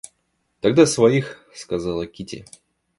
Тогда своих... — сказала Кити.